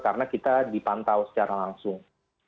karena kita dipantau secara langsung